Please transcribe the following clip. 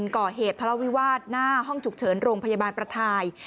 ก่อเหตุทะเลาวิวาสหน้าห้องฉุกเฉินโรงพยาบาลประทาย